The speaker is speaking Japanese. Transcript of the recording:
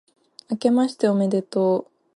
明けましておめでとう